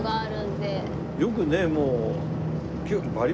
よくねもう。